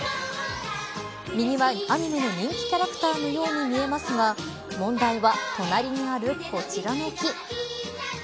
右はアニメの人気キャラクターのように見えますが問題は、隣にあるこちらの木。